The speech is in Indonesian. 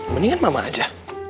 mendingan mama aja